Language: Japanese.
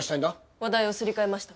話題をすり替えました。